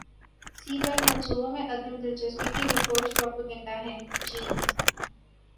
سی pack منصوبوں میں عدم دلچسپی کی رپورٹس پروپیگنڈا ہیں چین